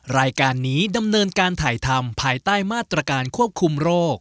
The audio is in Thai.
รายการนี้ดำเนินการถ่ายทำภายใต้มาตรการควบคุมโรค